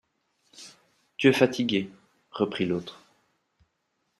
Tu es fatigué, reprit l'autre.